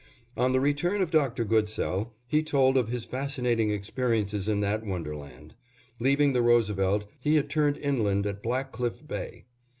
On the return of Dr. Goodsell, he told of his fascinating experiences in that wonderland. Leaving the Roosevelt, he had turned inland at Black Cliff Bay.